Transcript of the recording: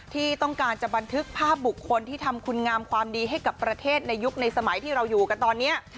ที่ต้องการจะบันทึกภาพบุคคลที่ทำคุณงามความดีให้กับประเทศในยุคในสมัยที่เราอยู่กันตอนนี้